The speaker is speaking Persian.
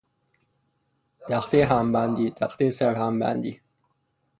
تختهی همبندی، تختهی سر هم بندی